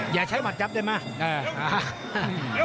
อย่าใช้หมัดยับได้ไหม